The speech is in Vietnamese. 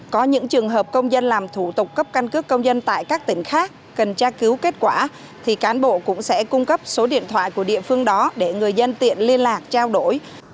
có những trường hợp công dân làm thủ tục cấp căn cước công dân tại các tỉnh khác cần tra cứu kết quả thì cán bộ cũng sẽ cung cấp số điện thoại của địa phương đó để người dân tiện liên lạc trao đổi